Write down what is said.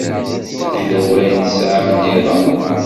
Yella wayen tesɛam nniḍen?